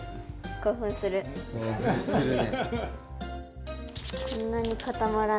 興奮するね。